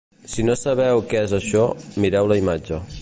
Si no sabeu què és això, mireu la imatge.